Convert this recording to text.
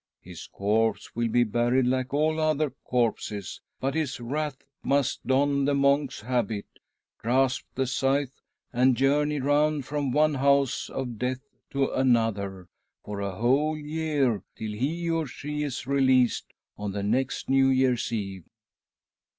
His corpse will be buried like all other corpses, but his wraith must don the monk's habit, grasp' the. scythe, and journey round ._..' K. THE BIRTH OF A NEW YEAR 3i from one house of death to another for a whole year, till he or she is released on the next New Year's Eve."